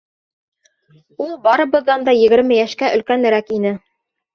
Ул барыбыҙҙан да егерме йәшкә өлкәнерәк ине.